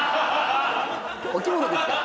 お着物ですから。